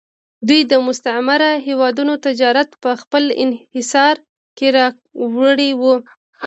دوی د مستعمره هېوادونو تجارت په خپل انحصار کې راوړی و